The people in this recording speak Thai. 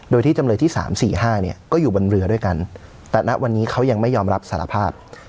โดยที่จำเลยที่๓๔๕เนี่ยก็อยู่บนเรือด้วยกันแต่ณวันนี้เขายังไม่ยอมรับสารภาพ